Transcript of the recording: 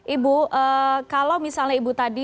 ibu kalau misalnya ibu tadi